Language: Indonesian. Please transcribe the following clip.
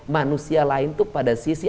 manusia lain pada sisi